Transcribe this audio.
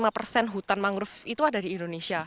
dua puluh tiga lima persen hutan mangrove itu ada di indonesia